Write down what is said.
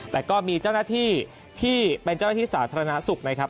แต่ก็มีเจ้าหน้าที่ที่เป็นเจ้าหน้าที่สาธารณสุขนะครับ